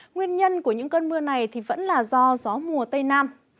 nguyên nhân của những cơn mưa này vẫn là do gió mùa tây nam